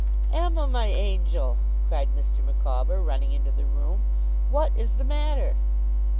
'Emma, my angel!' cried Mr. Micawber, running into the room; 'what is the matter?